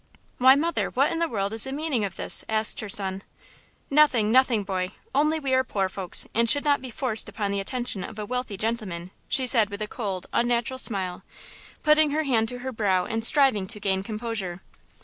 "Why, mother, what in the world is the meaning of this?" asked her son. "Nothing, nothing, boy; only we are poor folks, and should not be forced upon the attention of a wealthy gentleman," she said with a cold, unnatural smile, putting her hand to her brow and striving to gain composure.